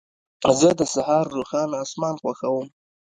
زه د سهار روښانه اسمان خوښوم.